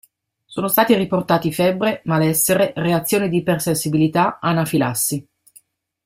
Sono stati riportati febbre, malessere, reazioni di ipersensibilità, anafilassi.